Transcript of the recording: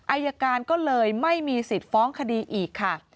อายการก็เลยไม่มีสิทธิ์ฟ้องคดีอีกค่ะ